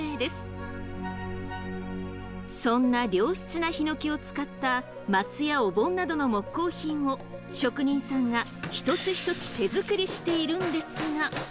そんな良質なヒノキを使った升やお盆などの木工品を職人さんが一つ一つ手作りしているんですが。